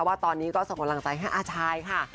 ว่าตอนนี้สงสัยพรั่งใจที่อาชายค่ะ